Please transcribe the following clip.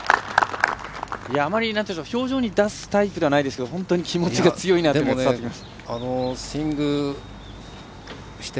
あまり表情に出すタイプではないですけど本当に気持ちが強いなと伝わってきました。